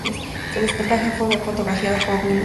Su desplegable central fue fotografiado por William Graham.